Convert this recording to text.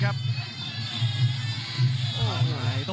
กรรมการเตือนทั้งคู่ครับ๖๖กิโลกรัม